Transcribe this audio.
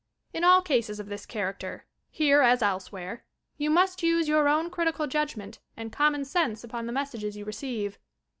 In all cases of this character, here as elsewhere, you must use your own critical judgment and common sense upon the messages you receive.